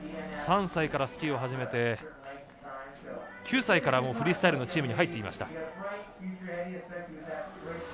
３歳からスキーを始めて９歳からフリースタイルのチームに入っていました。